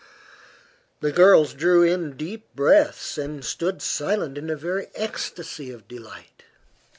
The girls drew in deep breaths and stood silent in a very ecstacy of delight.